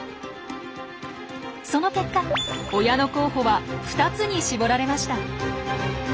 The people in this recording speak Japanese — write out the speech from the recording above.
その結果親の候補は２つに絞られました。